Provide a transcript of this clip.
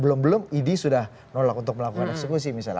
belum belum idi sudah nolak untuk melakukan eksekusi misalnya